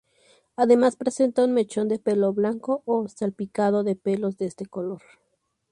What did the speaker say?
Además, presenta un mechón de pelo blanco o salpicado de pelos de este color.